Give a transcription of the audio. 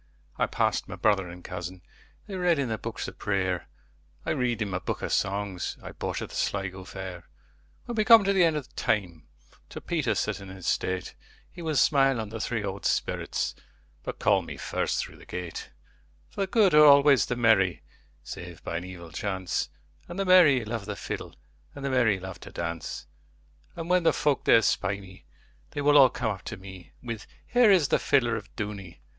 I passed my brother and cousin:They read in their books of prayer;I read in my book of songsI bought at the Sligo fair. When we come at the end of time, To Peter sitting in state, He will smile on the three old spirits, But call me first through the gate; For the good are always the merry, Save by an evil chance, And the merry love the fiddleAnd the merry love to dance:And when the folk there spy me, They will all come up to me, With 'Here is the fiddler of Dooney!